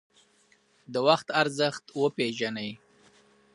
د وخت ارزښت وپیژنئ